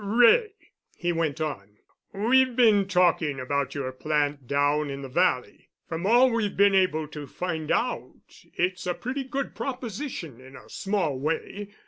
"Wray," he went on, "we've been talking about your plant down in the Valley. From all we've been able to find out, it's a pretty good proposition in a small way.